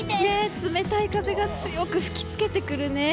冷たい風が強く吹きつけてくるね。